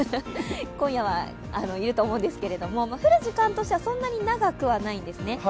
今夜は要ると思うんですが、降る時間としてはそんなに長くはないんですね。